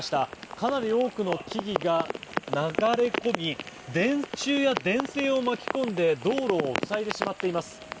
かなり多くの木々が流れ込み電柱や電線を巻き込んで道路を塞いでしまっています。